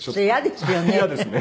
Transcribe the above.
それ嫌ですよね。